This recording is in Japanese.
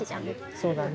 そうだね。